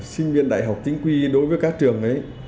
sinh viên đại học chính quy đối với các trường ấy